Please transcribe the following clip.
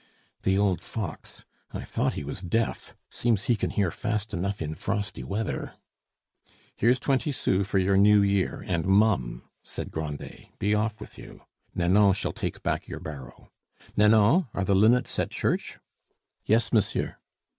"The old fox! I thought he was deaf; seems he can hear fast enough in frosty weather." "Here's twenty sous for your New Year, and mum!" said Grandet. "Be off with you! Nanon shall take back your barrow. Nanon, are the linnets at church?" "Yes, monsieur."